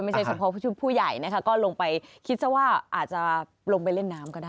ไม่ใช่เฉพาะผู้ใหญ่ก็ลงไปคิดว่าอาจจะลงไปเล่นน้ำก็ได้